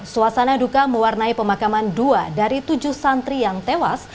suasana duka mewarnai pemakaman dua dari tujuh santri yang tewas